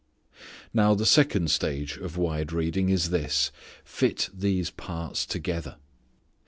Now the second stage of wide reading is this: fit these parts together.